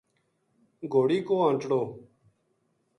گھوڑی کو انٹڑو